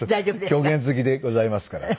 狂言好きでございますから。